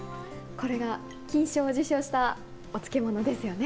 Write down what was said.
これが金賞を受賞したお漬物ですよね。